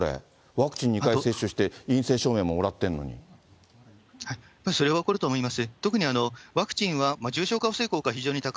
ワクチン２回接種して、それは起こると思います。